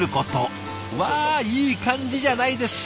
わいい感じじゃないですか。